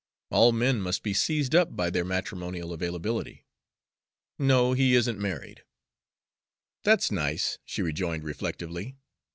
All men must be sized up by their matrimonial availability. No, he isn't married." "That's nice," she rejoined reflectively.